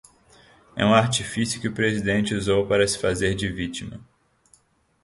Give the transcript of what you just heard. É um artifício que o presidente usou para se fazer de vítima